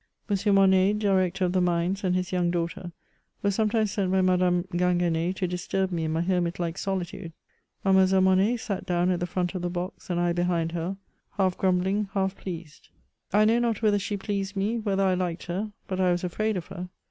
Monsieur Monet, Director of the Mines, and his young daughter, were sometimes sent by IVIadame Ginguen6 to disturb me in mj hermit like solitude ; Mademoiselle Monet sat down at the front of the box, and I behind her, half grumbling, half pleased. I know not whether she pleased me, whether I liked her, but I was a&aid of her.